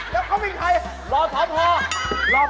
แล้วเขาวิ่งไทยรอพอพอ